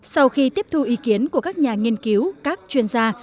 sau khi tiếp thu ý kiến của các nhà nghiên cứu các chuyên gia